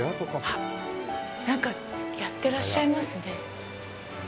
あっ、なんかやってらっしゃいますね。